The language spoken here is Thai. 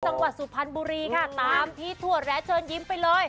สุพรรณบุรีค่ะตามพี่ถั่วแร้เชิญยิ้มไปเลย